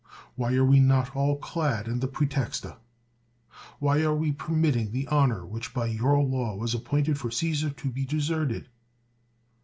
Why are we not all clad in the pre texta? Why are we permitting the honor which by your law was appointed for Csesar to be de serted?